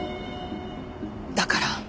だから。